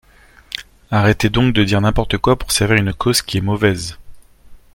Arrêtez donc de dire n’importe quoi pour servir une cause qui est mauvaise.